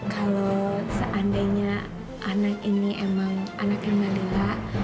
kalau seandainya anak ini emang anaknya mbak lila